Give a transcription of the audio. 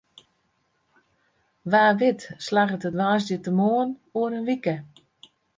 Wa wit slagget it woansdeitemoarn oer in wike.